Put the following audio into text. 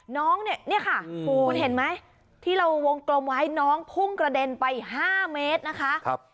น้องเนี่ยค่ะคุณเห็นไหมที่เราวงกลมไว้น้องพุ่งกระเด็นไป๕เมตรนะคะ